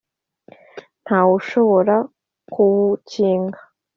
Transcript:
Nta wushobora kuwukinga